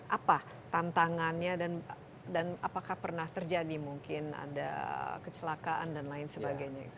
apa tantangannya dan apakah pernah terjadi mungkin ada kecelakaan dan lain sebagainya